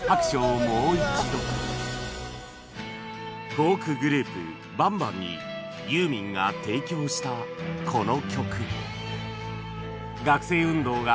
フォークグループバンバンにユーミンが提供したこの曲